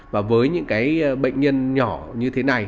và với những bệnh nhân nhỏ như thế này